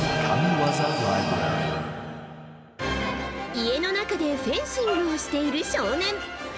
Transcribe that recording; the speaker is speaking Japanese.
家の中でフェンシングをしている少年。